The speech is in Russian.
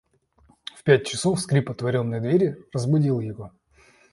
В пять часов скрип отворенной двери разбудил его.